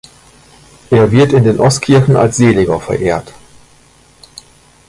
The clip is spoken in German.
Er wird in den Ostkirchen als Seliger verehrt.